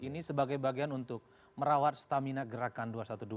ini sebagai bagian untuk merawat stamina gerakan dua ratus dua belas